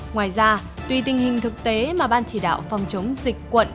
ngoài ra tùy tình hình thực tế mà ban chỉ đạo phòng chống dịch quận